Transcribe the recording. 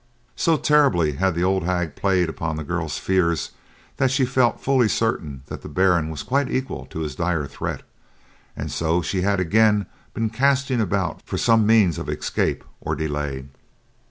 So terribly had the old hag played upon the girl's fears that she felt fully certain that the Baron was quite equal to his dire threat, and so she had again been casting about for some means of escape or delay.